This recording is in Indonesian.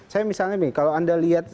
saya misalnya nih kalau anda lihat